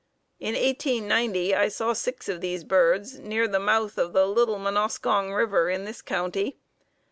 In 1890 I six of these birds near the mouth of the Little Munoskong River in this county.